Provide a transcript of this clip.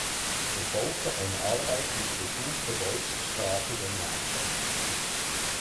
Es folgte eine Arbeit mit Bezug zu deutschsprachigen Ländern.